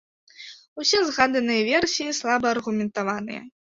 Усе згаданыя версіі слаба аргументаваныя.